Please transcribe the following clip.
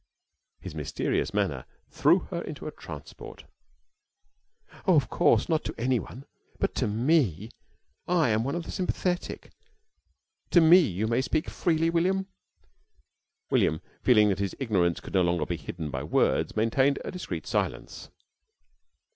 His mysterious manner threw her into a transport. "Of course not to anyone. But to me I'm one of the sympathetic! To me you may speak freely, William." William, feeling that his ignorance could no longer be hidden by words, maintained a discreet silence.